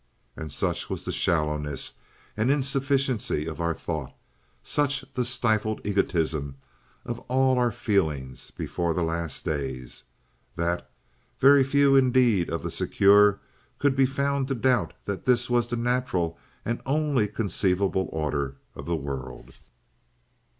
And such was the shallowness and insufficiency of our thought, such the stifled egotism of all our feelings before the Last Days, that very few indeed of the Secure could be found to doubt that this was the natural and only conceivable order of the world.